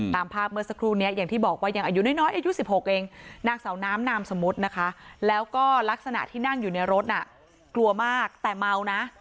ตามภาพเมื่อสักครู่นี้อย่างที่บอกว่ายังอายุน้อยอายุ๑๖เองนางสาวน้ำนามสมมุตินะคะแล้วก็ลักษณะที่นั่งอยู่ในรถน่ะกลัวมากแต่เมานะ